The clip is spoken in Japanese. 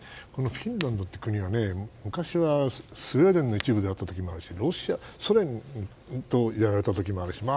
フィンランドって国は昔はスウェーデンの一部であったこともあるしソ連といわれた時もあるし